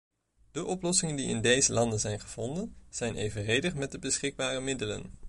De oplossingen die in deze landen zijn gevonden, zijn evenredig met de beschikbare middelen.